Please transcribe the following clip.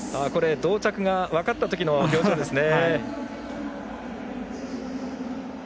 同着が分かったときの表情ですね。